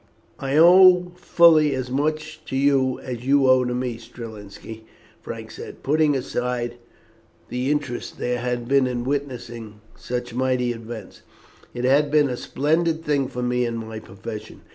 "I owe fully as much to you as you owe to me, Strelinski," Frank said. "Putting aside the interest there has been in witnessing such mighty events, it has been a splendid thing for me in my profession.